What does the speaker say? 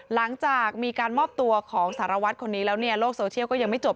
หลังจากมีการมอบตัวของสารวัตรคนนี้แล้วเนี่ยโลกโซเชียลก็ยังไม่จบ